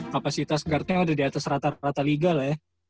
kapasitas guardnya ada di atas rata rata liga lah ya